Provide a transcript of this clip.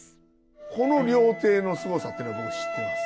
この料亭のすごさっていうの僕知ってます。